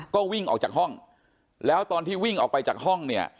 ก็วิ่งออกจากห้องแล้วตอนที่วิ่งออกไปจากห้องเนี่ย